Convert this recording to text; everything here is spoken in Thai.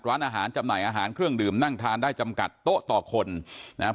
ร้านอาหารจำหน่ายอาหารเครื่องดื่มนั่งทานได้จำกัดโต๊ะต่อคนนะครับ